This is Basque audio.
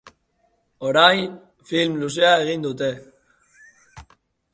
Orain, film luzea egin dute.